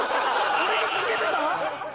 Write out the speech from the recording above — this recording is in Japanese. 俺がかけてた？